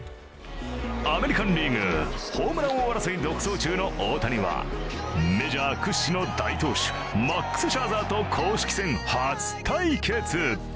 アメリカン・リーグ、ホームラン王争い独走中の大谷はメジャー屈指の大投手マックス・シャーザーと公式戦初対決。